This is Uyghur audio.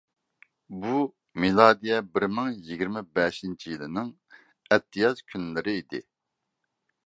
بۇ مىلادىيە بىر مىڭ يىگىرمە بەشىنچى يىلنىڭ ئەتىياز كۈنلىرى ئىدى.